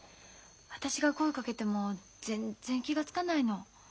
私が声かけても全然気が付かないの。